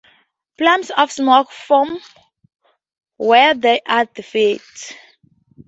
Plumes of smoke form where there are defects.